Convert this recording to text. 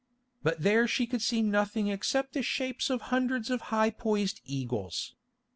But there she could see nothing except the shapes of hundreds of high poised eagles.